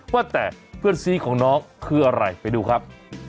ว่าแต่เพื่อนซีของน้องคืออะไรไปดูครับ